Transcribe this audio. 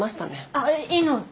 あっいいの！